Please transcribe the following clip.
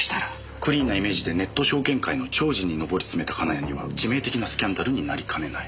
クリーンなイメージでネット証券界の寵児に昇りつめた金谷には致命的なスキャンダルになりかねない。